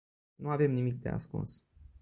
Nu avem nimic de ascuns.